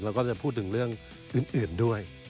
แล้วก็จะพูดถึงเรื่องอื่นด้วย